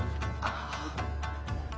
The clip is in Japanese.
ああ。